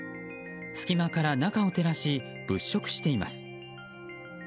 隙間から中を照らし物色しています。